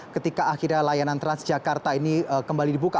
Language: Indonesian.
ketika akhirnya layanan transjakarta ini kembali dibuka